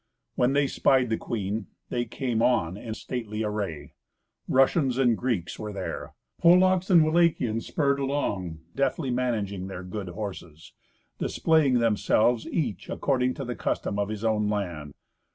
When they spied the queen, they came on in stately array. Russians and Greeks were there. Polacks and Wallachians spurred along, deftly managing their good horses, displaying themselves each according to the custom of his own land.